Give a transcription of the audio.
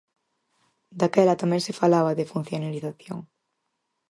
Daquela tamén se falaba de funcionarización.